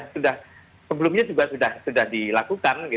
sebelumnya juga sudah dilakukan